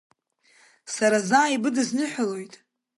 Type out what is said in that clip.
Сара заа ибыдысныҳәалоит…